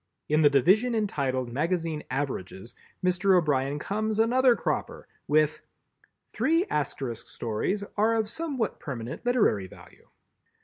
In the division entitled Magazine Averages, Mr. O'Brien comes another cropper with "Three Asterisk stories are of somewhat permanent literary value."